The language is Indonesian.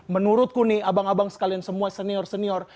menurutku nih abang abang sekalian semua senior senior